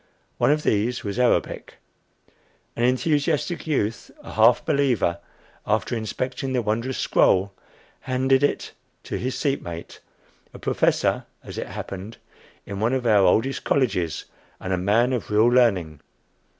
One of these was Arabic. An enthusiastic youth, a half believer, after inspecting the wondrous scroll, handed it to his seat mate, a professor (as it happened) in one of our oldest colleges, and a man of real learning.